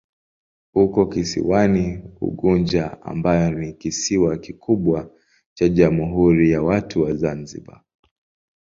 Uko kisiwani Unguja ambayo ni kisiwa kikubwa cha Jamhuri ya Watu wa Zanzibar.